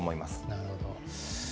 なるほど。